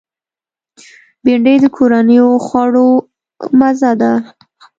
بېنډۍ د کورنیو خوړو مزه ده